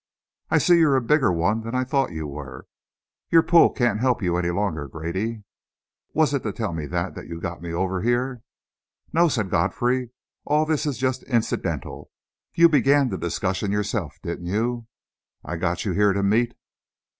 "I see you're a bigger one than I thought you were! Your pull can't help you any longer, Grady." "Was it to tell me that you got me over here?" "No," said Godfrey, "all this is just incidental you began the discussion yourself, didn't you? I got you here to meet...."